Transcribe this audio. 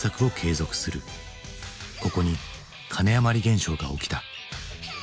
ここに金あまり現象が起きた。